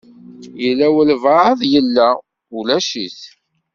Yella walebɛaḍ yella, ulac-it.